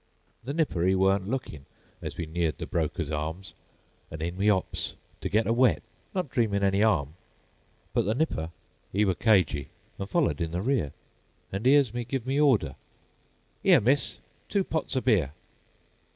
'"The nipper 'e war n't lookin'As we neared the Brokers' Arms; An' in we 'ops ter get a wet, Not dreamin' any 'arm. But the nipper 'e were cagy, An' followed in the rear, An' 'ears me give me order:''Ere, miss, two pots o' beer.